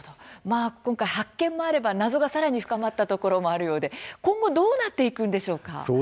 今回、発見もあれば謎が、さらに深まったところもあるようで今後どうなっていくんでしょうか。